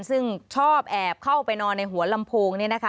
ซึ่งชอบแอบเข้าไปนอนในหัวลำโพงเนี่ยนะคะ